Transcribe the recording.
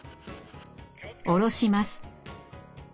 下ろします。